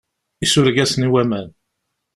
Isureg-asen i waman.